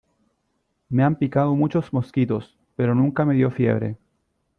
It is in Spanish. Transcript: me han picado muchos mosquitos, pero nunca me dio fiebre.